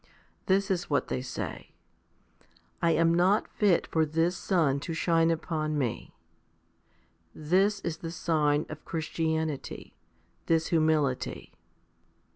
This is what they say :" I am not fit for this sun to shine upon me." This is the sign of Christianity, this humility.